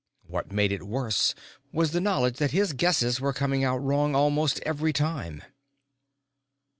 What made it worse was the knowledge that his Guesses were coming out wrong almost every time.